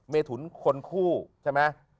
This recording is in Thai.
เมถุนคนคู่ใช่ไหม